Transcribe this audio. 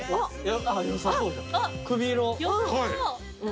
よさそうじゃん。